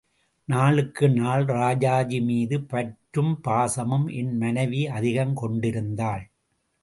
நாளுக்கு நாள் ராஜாஜி மீது பற்றும் பாசமும் என் மனைவி அதிகம் கொண்டு இருந்தாள்.